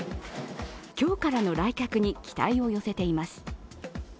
今日からの来客に期待を寄せています。